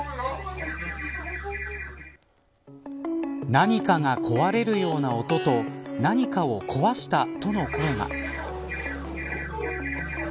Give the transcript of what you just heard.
何かが壊れるような音と何かを壊したとの声が。